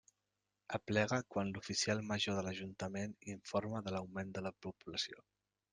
Aplega quan l'oficial major de l'ajuntament informa de l'augment de població.